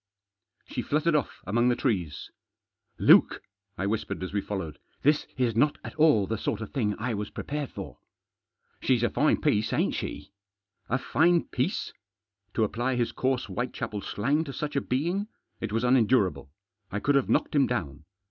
She fluttered off among the trees. " Luke," I whispered as we followed, " this is not at all the sort of thing I was prepared for." " She's a fine piece, ain't she ?" A M fine piece !" To apply his coarse Whitechapel slang to such a being ! It was unendurable. I could have knocked him down.